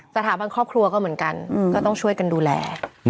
สถาบันครอบครัวก็เหมือนกันก็ต้องช่วยกันดูแล